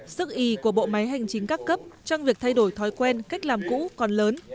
sức ý của bộ máy hành chính các cấp trong việc thay đổi thói quen cách làm cũ còn lớn